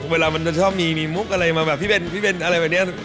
เวลามันจะชอบมีมุกอะไรมาแบบพี่เป็นอะไรแบบนี้